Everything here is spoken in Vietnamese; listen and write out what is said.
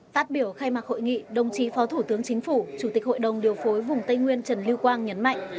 phát biểu khai mạc hội nghị đồng chí phó thủ tướng chính phủ chủ tịch hội đồng điều phối vùng tây nguyên trần lưu quang nhấn mạnh